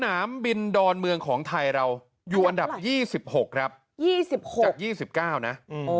สนามบินดอนเมืองของไทยเราอยู่อันดับยี่สิบหกครับยี่สิบหกจากยี่สิบเก้านะอ๋อ